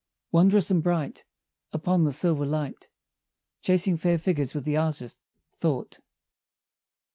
Wondrous and bright, Upon the silver light, Chasing fair figures with the artist, Thought!